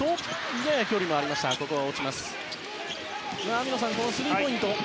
網野さん、スリーポイント